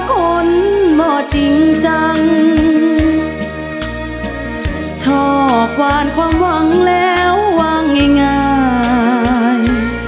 คนบ่จริงจังชอบกวานความหวังแล้ววางง่าย